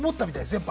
やっぱ。